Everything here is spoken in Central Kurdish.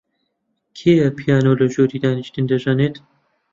کێیە پیانۆ لە ژووری دانیشتن دەژەنێت؟